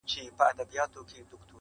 • بیا به له دغه ښاره د جهل رېښې و باسو,